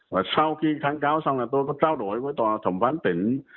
và sau khi kháng cáo xong là tôi có trao đổi với tòa thẩm ván tỉnh